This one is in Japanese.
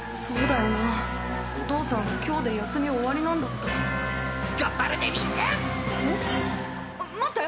そうだよなお父さん今日で休み終わりなんだった。